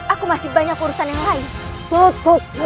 aku masih banyak urusan yang lain tutup